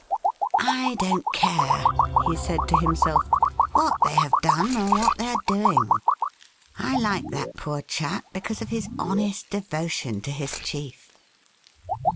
' I don't care,' he said to himself, ' what they have done or what they are doing ; I like that poor chap because of his honest devotion to his chief.'